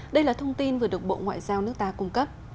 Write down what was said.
đây là thông tin vừa được bộ ngoại giao nước ta cung cấp